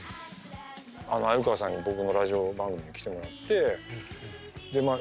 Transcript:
鮎川さんに僕のラジオ番組に来てもらってでまあ